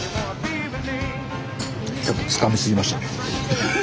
やっぱつかみすぎましたね。